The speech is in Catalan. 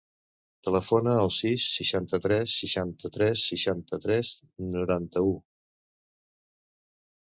Telefona al sis, seixanta-tres, seixanta-tres, seixanta-tres, noranta-u.